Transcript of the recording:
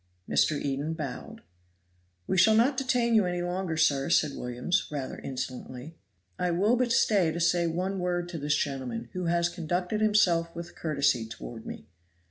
Mr. Eden bowed. "We will not detain you any longer, sir," said Williams, rather insolently. "I will but stay to say one word to this gentleman, who has conducted himself with courtesy toward me.